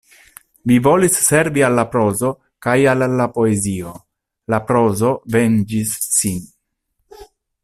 Vi volis servi al la prozo kaj al la poezio; la prozo venĝis sin.